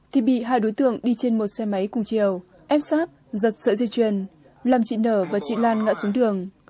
thì bị hai đối tượng đi trên một xe máy cùng chiều ép sát giật sợi dây chuyền làm chị nở và chị lan ngã xuống đường